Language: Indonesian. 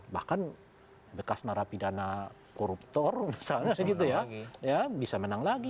bahkan bekas narapidana koruptor misalnya segitu ya bisa menang lagi